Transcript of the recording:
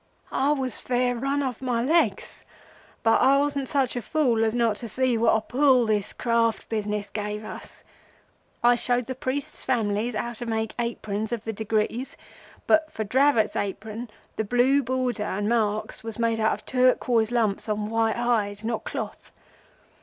"I was fair rim off my legs, but I wasn't such a fool as not to see what a pull this Craft business gave us. I showed the priests' families how to make aprons of the degrees, but for Dravot's apron the blue border and marks was made of turquoise lumps on white hide, not cloth.